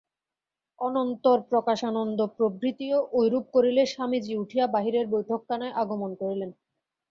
অনন্তর প্রকাশানন্দ প্রভৃতিও ঐরূপ করিলে স্বামীজী উঠিয়া বাহিরের বৈঠকখানায় আগমন করিলেন।